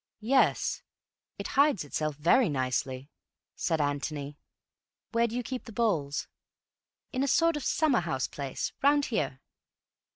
"Yes, it hides itself very nicely," said Antony. "Where do you keep the bowls?" "In a sort of summer house place. Round here."